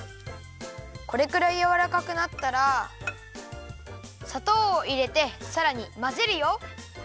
これくらいやわらかくなったらさとうをいれてさらにまぜるよ。